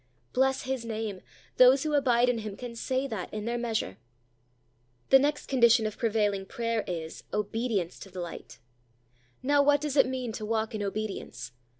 Bless His name! Those who abide in Him can say that in their measure. The next condition of prevailing prayer, is obedience to the light. Now, what does it mean to walk in obedience?